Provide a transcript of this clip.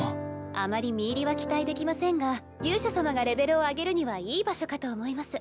あまり実入りは期待できませんが勇者様がレベルを上げるにはいい場所かと思います。